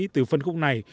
từ phân khúc này